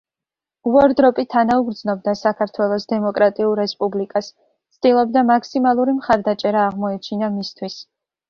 უორდროპი თანაუგრძნობდა საქართველოს დემოკრატიულ რესპუბლიკას, ცდილობდა მაქსიმალური მხარდაჭერა აღმოეჩინა მისთვის.